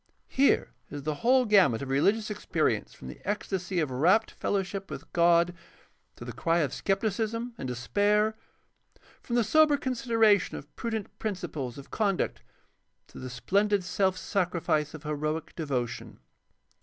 Here is the whole gamut of religious experience from the ecstasy of rapt fellowship with God to the cry of skepticism and despair, from the sober consideration of prudent principles PRACTICAL THEOLOGY 585 of conduct to the splendid self sacrifice of heroic devotion.